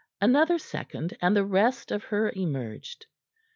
Another second and the rest of her emerged.